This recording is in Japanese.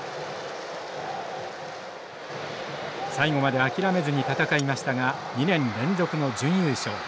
最後まで諦めずに戦いましたが２年連続の準優勝。